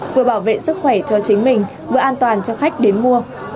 vừa bảo vệ sức khỏe cho chính mình vừa an toàn cho khách đến mua